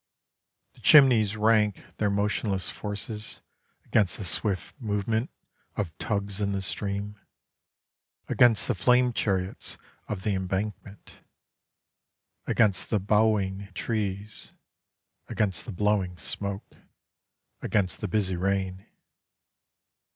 The chimneys rank Their motionless forces Against the swift movement Of tugs in the stream; Against the flame chariots Of the Embankment; Against the bowing trees, Against the blowing smoke, Against the busy rain.